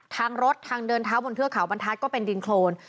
ทางรถทางเดินเท้าบนเทือกเขาบรรทัศน์ก็เป็นดินโครน